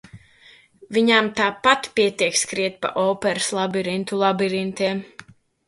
Viņām tāpat pietiek skriet pa operas labirintu labirintiem.